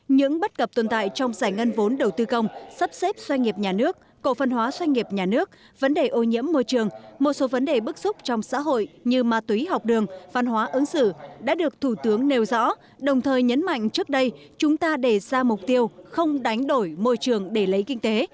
những bất cập tồn tại trong giải ngân vốn đầu tư công sắp xếp xoay nghiệp nhà nước cổ phân hóa doanh nghiệp nhà nước vấn đề ô nhiễm môi trường một số vấn đề bức xúc trong xã hội như ma túy học đường văn hóa ứng xử đã được thủ tướng nêu rõ đồng thời nhấn mạnh trước đây chúng ta đề ra mục tiêu không đánh đổi môi trường để lấy kinh tế